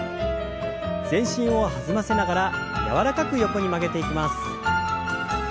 全身を弾ませながら柔らかく横に曲げていきます。